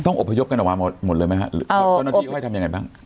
ต้องอบพยพกันตะวะหมดเลยไหมฮะตอนที่ให้ทำยังไงบ้าง